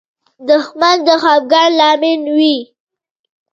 دښمن د خفګان لامل وي